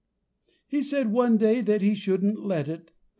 He said, one day, that he should let it.